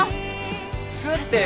作ってよ！